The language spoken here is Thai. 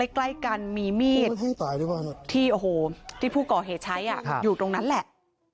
ใกล้กันมีมีดที่โอ้โหที่ผู้ก่อเหตุใช้อยู่ตรงนั้นแหละ